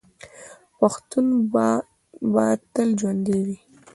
پښتون به تل ژوندی وي.